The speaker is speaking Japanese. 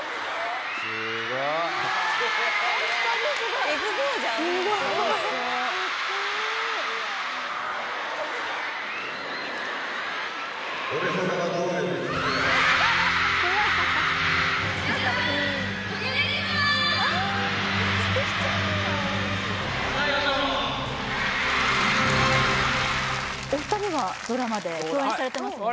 イエーイお二人はドラマで共演されてますもんね